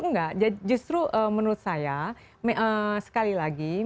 enggak justru menurut saya sekali lagi